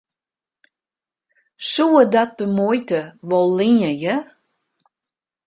Soe dat de muoite wol leanje?